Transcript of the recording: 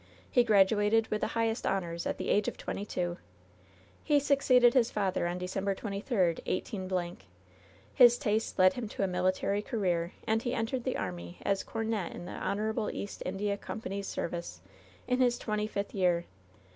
He graduated with the highest honors, at the age of twenty two. He succeeded his father on December 23, 182 —. His tastes led him to a military career, and he entered the army as comet in the Honorable East India Company's service, in his twenty fifth year.